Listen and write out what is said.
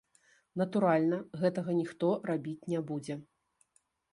Натуральна, гэтага ніхто рабіць не будзе.